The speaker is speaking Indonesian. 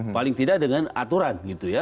paling tidak dengan aturan